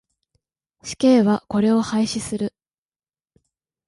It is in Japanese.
死刑はこれを廃止する。